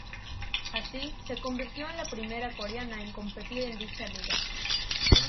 Así se convirtió en la primera coreana en competir en dicha liga.